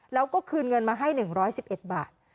แล้วก็คืนเงินมาให้๑๑๑บาท